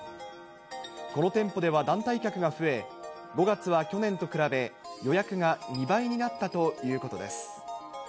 この店舗では団体客が増え、５月は去年と比べ、予約が２倍になったということです。